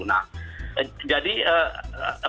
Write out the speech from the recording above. nah jadi respon ini